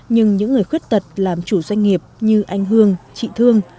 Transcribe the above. nhưng những người khuyết tật làm chủ doanh nghiệp như anh hương chị thương